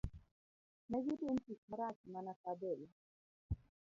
Ne gidum tik marach mana ka adhola